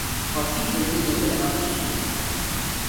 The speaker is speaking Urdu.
ہاکی کھیلتے نظر آتے ہیں